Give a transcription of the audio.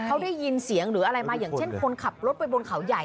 เขาได้ยินเสียงหรืออะไรมาอย่างเช่นคนขับรถไปบนเขาใหญ่